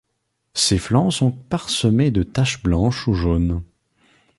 Ses flancs sont parsemés de taches blanches ou jaunes.